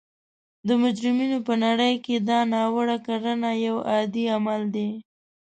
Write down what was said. د مجرمینو په نړۍ کې دا ناوړه کړنه یو عادي عمل دی